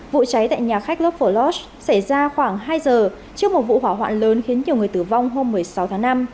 vụ cháy tại nhà khách logher logh xảy ra khoảng hai giờ trước một vụ hỏa hoạn lớn khiến nhiều người tử vong hôm một mươi sáu tháng năm